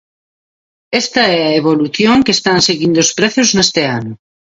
Esta é a evolución que están seguindo os prezos neste ano.